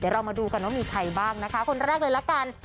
เรามาดูกันว่ามีใครบ้างนะคะคนแรกเลยละกัน